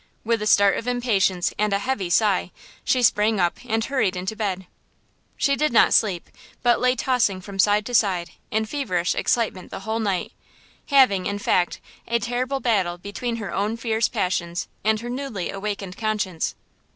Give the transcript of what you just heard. With a start of impatience and a heavy sign, she sprang up and hurried into bed. She did not sleep, but lay tossing from side to side in feverish excitement the whole night–having, in fact, a terrible battle between her own fierce passions and her newly awakened conscience.